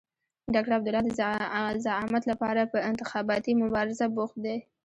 ډاکټر عبدالله د زعامت لپاره په انتخاباتي مبارزه بوخت دی.